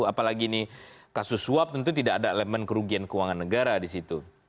apalagi ini kasus suap tentu tidak ada elemen kerugian keuangan negara di situ